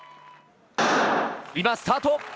今、スタート！